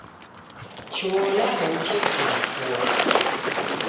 Cho law'uke kunikua